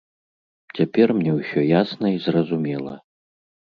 Цяпер мне ўсё ясна і зразумела.